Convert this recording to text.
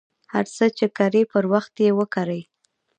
هر څه ،چې کرئ پر وخت یې وکرئ.